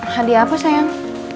hadiah apa sayang